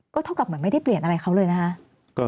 เท่ากับเหมือนไม่ได้เปลี่ยนอะไรเขาเลยนะคะ